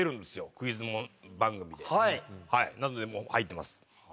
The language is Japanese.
クイズ番組でなのでもう入ってます。